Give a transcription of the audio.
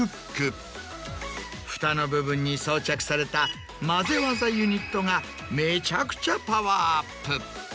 ふたの部分に装着されたまぜ技ユニットがめちゃくちゃパワーアップ。